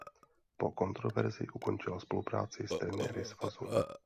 Po kontroverzi ukončila spolupráci s trenéry svazu.